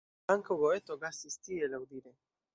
Ankaŭ Goeto gastis tie, laŭdire.